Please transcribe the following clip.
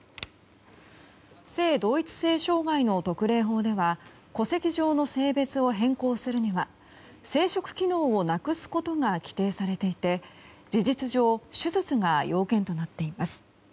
性同一性障害の特例法では戸籍上の性別を変更するには生殖機能をなくすことが規定されていて事実上手術が要件となっています。